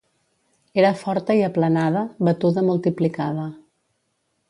Era forta i aplanada, batuda multiplicada.